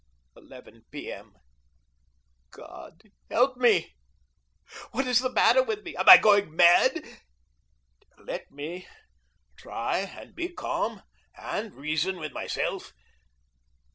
11 P. M. God help me! What is the matter with me? Am I going mad? Let me try and be calm and reason with myself.